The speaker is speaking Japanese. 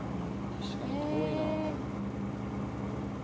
確かに遠いな。